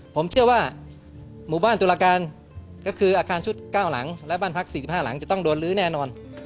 ผมเชื่อว่าหมู่บ้านตุลาการก็คืออาคารชุด๙หลังและบ้านพัก๔๕หลังจะต้องโดนลื้อแน่นอน